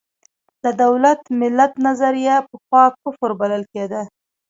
د دولت–ملت نظریه پخوا کفر بلل کېده.